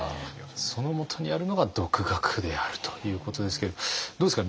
そのもとにあるのが独学であるということですけれどもどうですか？